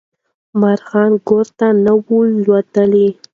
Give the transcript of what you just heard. مارغان ګور ته نه وو الوتلي.